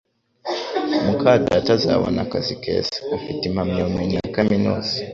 muka data azabona akazi keza afite impamyabumenyi ya kaminuza